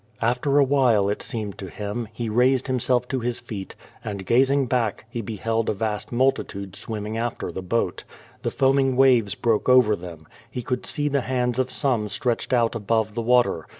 After awhile, it seemed to him, he raised himself to his feet, and gazing back, he beheld a vast multitude swimming after the boat. The foaming waves broke over them. He could see the hands of some stretched out above the water.